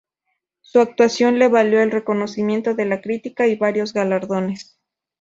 Su actuación le valió el reconocimiento de la crítica y varios galardones.